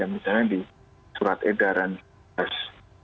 misalnya di surat edaran s empat belas